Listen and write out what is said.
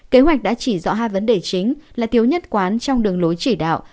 kế hoạch đã chỉ rõ hai vấn đề chính là thiếu nhất quán trong đường lối chỉ đạo